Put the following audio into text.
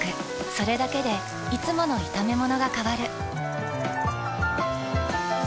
それだけでいつもの炒めものが変わる。